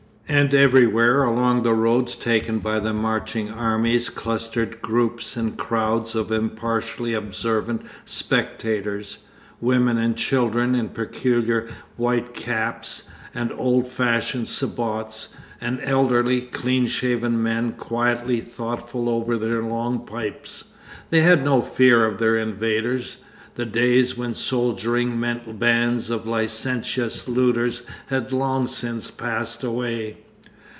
And everywhere along the roads taken by the marching armies clustered groups and crowds of impartially observant spectators, women and children in peculiar white caps and old fashioned sabots, and elderly, clean shaven men quietly thoughtful over their long pipes. They had no fear of their invaders; the days when 'soldiering' meant bands of licentious looters had long since passed away....